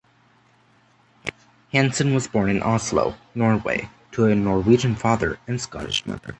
Hansen was born in Oslo, Norway to a Norwegian father and Scottish mother.